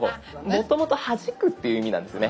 もともと「はじく」っていう意味なんですよね